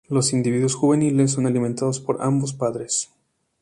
Los individuos juveniles son alimentados por ambos padres.